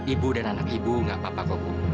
ibu dan anak ibu gak apa apa kok